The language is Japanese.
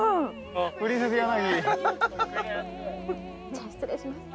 じゃあ失礼します。